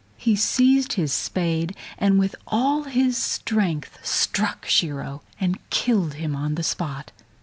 He seized his spade, and with all his strength struck Shiro and killed him on the spot.